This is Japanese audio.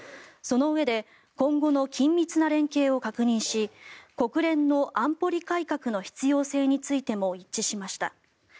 そのうえで今後の緊密な連携を確認し国連の安保理改革の必要性についても一致しました。